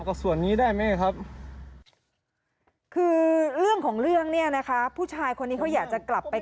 คือเรื่องของเรื่องเนี่ยนะคะผู้ชายคนนี้เขาอยากจะกลับไป